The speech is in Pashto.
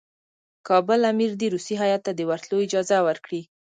کابل امیر دي روسي هیات ته د ورتلو اجازه ورکړي.